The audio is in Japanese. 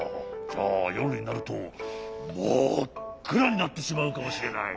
じゃあよるになるとまっくらになってしまうかもしれない。